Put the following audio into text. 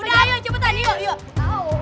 udah ayo cepetan yuk